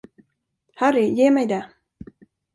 Harry, ge mig det!